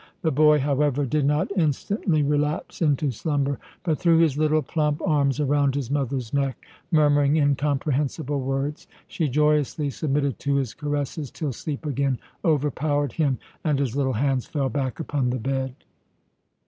The boy, however, did not instantly relapse into slumber, but threw his little plump arms around his mother's neck, murmuring incomprehensible words. She joyously submitted to his caresses, till sleep again overpowered him, and his little hands fell back upon the bed.